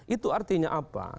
itu artinya apa